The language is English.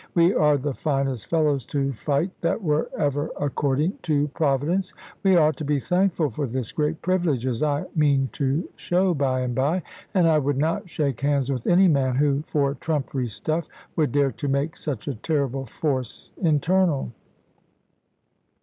We are the finest fellows to fight that were ever according to Providence; we ought to be thankful for this great privilege (as I mean to show by and by), and I would not shake hands with any man, who, for trumpery stuff, would dare to make such a terrible force internal.